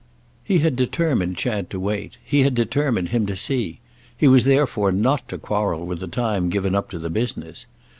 He had determined Chad to wait, he had determined him to see; he was therefore not to quarrel with the time given up to the business.